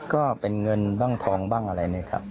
ก็เป็นเงินบ้างทองบ้างอะไรนะครับ